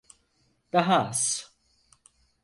Daha az.